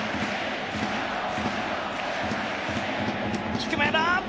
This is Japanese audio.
低めだ！